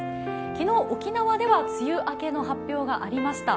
昨日、沖縄では梅雨明けの発表がありました。